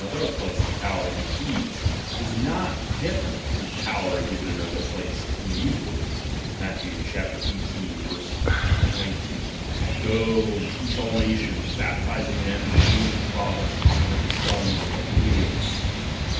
inother place '' the power of the keys, is not different from the power given in another place in these words (Matth. xxviii. 19): Go, and teach all nations, baptizing them in the name of the Father, and of the Son, and of t/ie Holy Ghost.